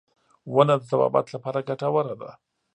• ونه د طبابت لپاره ګټوره ده.